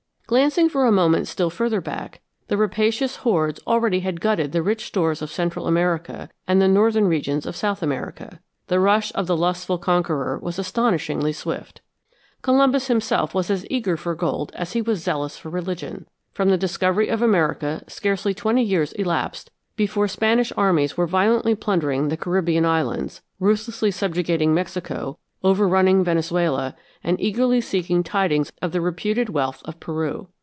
Glancing for a moment still further back, the rapacious hordes already had gutted the rich stores of Central America and the northern regions of South America. The rush of the lustful conqueror was astonishingly swift. Columbus himself was as eager for gold as he was zealous for religion. From the discovery of America scarcely twenty years elapsed before Spanish armies were violently plundering the Caribbean Islands, ruthlessly subjugating Mexico, overrunning Venezuela, and eagerly seeking tidings of the reputed wealth of Peru.